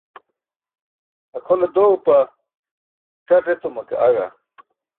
akʰole doẏpa c̣aṭ etuma ke aẏa